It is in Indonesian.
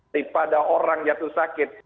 daripada orang jatuh sakit